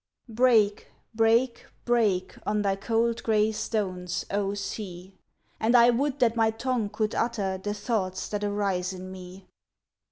Break, break, break, On thy cold gray stones, O sea! And I would that my tongue could utter The thoughts that arise in me.